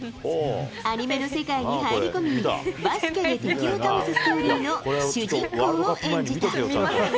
アニメの世界に入り込み、バスケで敵を倒すストーリーの主人公を演じた。